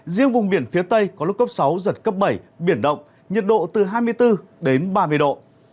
riêng vùng biển phía tây có lúc cấp sáu giật cấp bảy biển động nhiệt độ từ hai mươi bốn đến ba mươi độ